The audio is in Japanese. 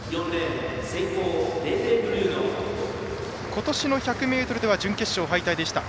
ことしの１００ｍでは準決勝敗退でした。